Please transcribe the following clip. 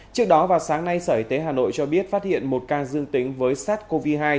trước đó vào sáng nay sở y tế hà nội cho biết phát hiện một ca dương tính với sars cov hai